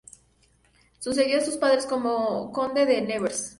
Sucedió a sus padres como conde de Nevers.